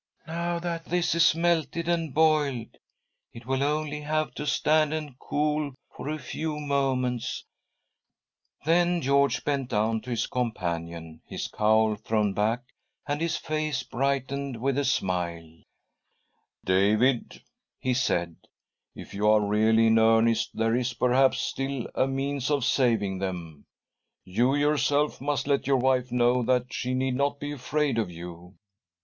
" Now that this is melted and boiled, it will only have to stand and cool for a few moments." Then George bent down to his companion, his cowl thrown back and his face brightened with a smile. " David," he said, "if you are really in earnest, there is perhaps still a means of saving > 1 ■:■'•.■."'■■„ I..',., i ■ I 180 THY SOUL SHALL BEAR WITNESS them. You yourself must let your wife know that she need not be afraid of you."